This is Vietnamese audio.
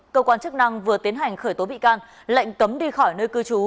cơ quan chức năng vừa tiến hành khởi tố bị can lệnh cấm đi khỏi nơi cư trú